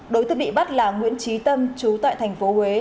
đối tượng bị bắt là nguyễn trí tâm chú tại thành phố huế